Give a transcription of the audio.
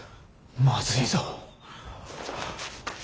まずいぞ。